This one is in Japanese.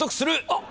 あっ！